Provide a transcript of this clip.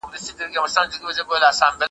یوه ښځه یو مېړه له دوو ښارونو `